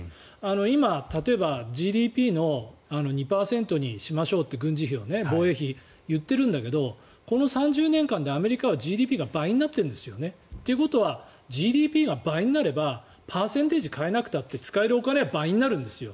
今、例えばＧＤＰの２％にしましょうって軍事費をね、防衛費を言っているんだけどこの３０年間でアメリカはＧＤＰが倍になっているんですよね。ということはＧＤＰが倍になればパーセンテージを変えなくたって使えるお金は倍になるんですよ。